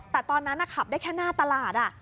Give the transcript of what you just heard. แต่ตอนนั้นขับได้แค่หน้าตลาด